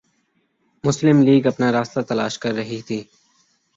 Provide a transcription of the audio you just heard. مسلم لیگ اپنا راستہ تلاش کررہی تھی۔